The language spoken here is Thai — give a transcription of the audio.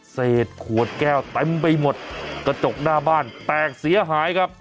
เศษขวดแก้วเต็มไปหมดกระจกหน้าบ้านแตกเสียหายครับ